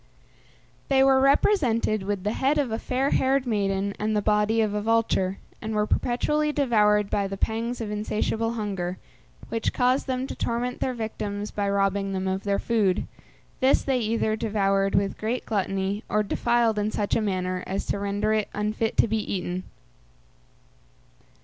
They were represented with the head of a fair haired maiden and the body of a vulture, and were perpetually devoured by the pangs of insatiable hunger, which caused them to torment their victims by robbing them of their food; this they either devoured with great gluttony, or defiled in such a manner as to render it unfit to be eaten.